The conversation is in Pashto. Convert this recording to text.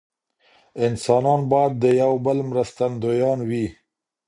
انسانان باید د یو بل مرستندویان وي.